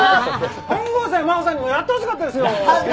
本郷さんやマホさんにもやってほしかったですよ！